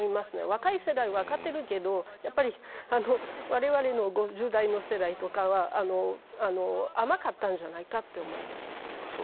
若い世代は分かっているけどわれわれ５０代の世代とかは甘かったんじゃないかと思います。